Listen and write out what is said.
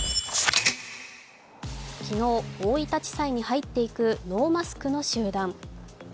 昨日、大分地裁に入っていくノーマスクの集団。